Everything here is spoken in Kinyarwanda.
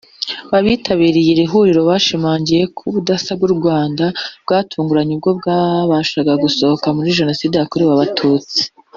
Abitabiriye iri huriro bashimangiye ko ubudasa bw’u Rwanda bwatunguranye ubwo rwabashaga gusohoka muri Jenoside yakorewe Abatutsi